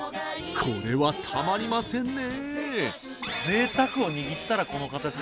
これはたまりませんね